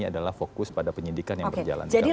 adalah fokus pada penyidikan yang berjalan di kpk